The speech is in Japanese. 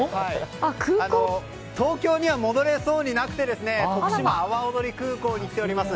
東京には戻れそうになくて徳島阿波おどり空港に来ています。